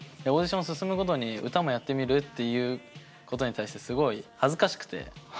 オーディション進むごとに歌もやってみるっていうことに対してすごい恥ずかしくて。